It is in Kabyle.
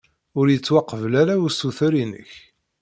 Ur yettwaqbel ara usuter-inek.